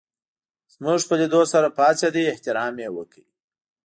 زموږ په لېدو سره پاڅېد احترام یې وکړ.